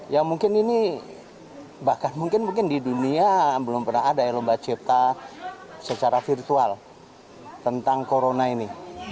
ya mungkin ini bahkan mungkin mungkin di dunia belum pernah ada ya lomba cipta secara virtual tentang corona ini